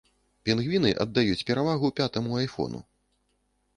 Пінгвіны аддаюць перавагу пятаму айфону.